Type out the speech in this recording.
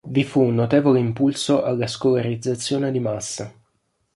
Vi fu un notevole impulso alla scolarizzazione di massa.